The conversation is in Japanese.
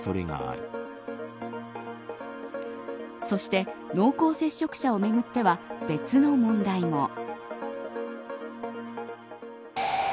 そして濃厚接触者をめぐっては別の問題も。